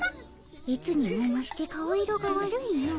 いつにもまして顔色が悪いの。